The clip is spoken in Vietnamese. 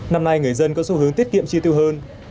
năm nay người dân có xu hướng tiết kiệm chi tiêu hơn